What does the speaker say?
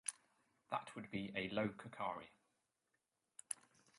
That would be a "low kakari".